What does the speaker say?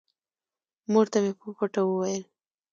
مور ته مې په پټه وويل.